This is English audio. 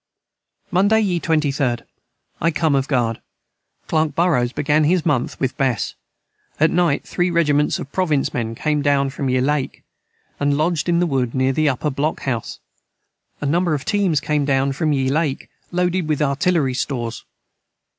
Monday ye 23rd. I come of guard Clerk Burrows began his Month with bess at night 3 rigiments of Province men came down from ye Lake & Lodged in the wood near the uper Block House a number of teames down from ye Lake Loaded with Artilliry stores.